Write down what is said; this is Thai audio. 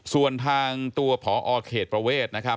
ส่วนทางตัวผอเขตประเวศ